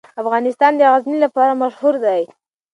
افغانستان د غزني لپاره مشهور دی.